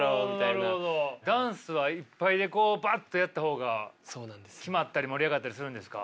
ダンスはいっぱいでこうバッとやった方が決まったり盛り上がったりするんですか？